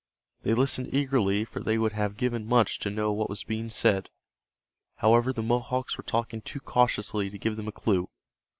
They listened eagerly for they would have given much to know what was being said. However, the Mohawks were talking too cautiously to give them a clue.